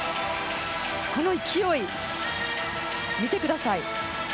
この勢い、見てください。